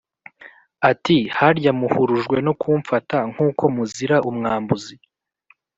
ati “Harya muhurujwe no kumfata nk’uko muzira umwambuzi